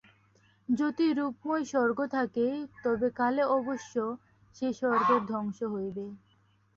যদি রূপময় স্বর্গ থাকে, তবে কালে অবশ্য সেই স্বর্গের ধ্বংস হইবে।